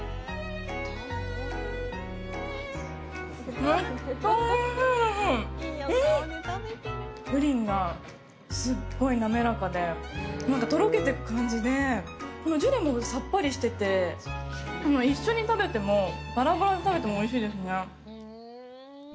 うんっ、プリンがすっごい滑らかでとろけてく感じでこのジュレもさっぱりしてて一緒に食べてもばらばらで食べてもおいしいですね。